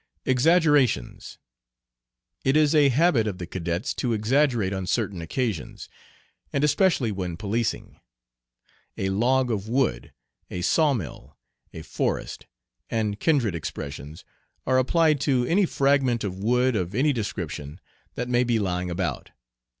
"Exaggerations." It is a habit of the cadets to exaggerate on certain occasions, and especially when policing. "A log of wood," "a saw mill," "a forest," and kindred expressions, are applied to any fragment of wood of any description that may be lying about.